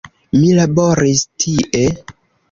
Mi laboris tie.